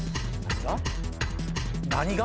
何が？